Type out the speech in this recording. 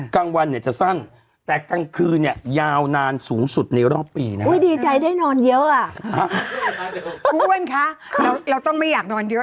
กลางวันเนี่ยจะสั้นแต่กลางคืนเนี่ยยาวนานสูงสุดในรอบปีนะ